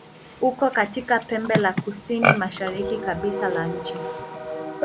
Uko katika pembe la kusini-mashariki kabisa la nchi.